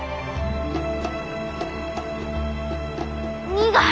苦い。